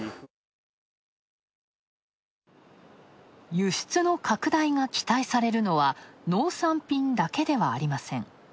輸出の拡大が期待されるのは、農産品だけではありません。